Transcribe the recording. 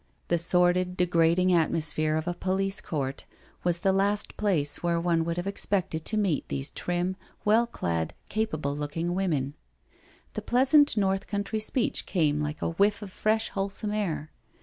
The sordid, degrading atmosphere of a police court was the last place where one would have expected to meet these trim, well clad, capable looking women. The pleasant North Country speech came like a whiff of fresh, wholesome air.